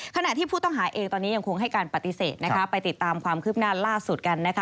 ขณะที่ผู้ต้องหาเองตอนนี้ยังคงให้การปฏิเสธนะคะไปติดตามความคืบหน้าล่าสุดกันนะคะ